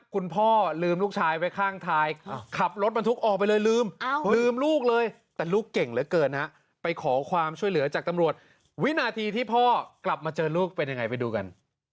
คุณพ่อลืมลูกชายไว้ข้างท้ายขับรถบรรทุกออกไปเลยลืมลืมลูกเลยแต่ลูกเก่งเหลือเกินฮะไปขอความช่วยเหลือจากตำรวจวินาทีที่พ่อกลับมาเจอลูกเป็นยังไงไปดูกัน